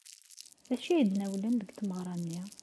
D acu ay d-nawlen deg tmeɣra-nni?